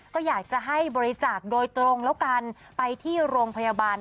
ก็อยากจะให้บริจาคโดยตรงแล้วกันไปที่โรงพยาบาล